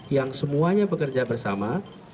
yang semuanya bekerja bersama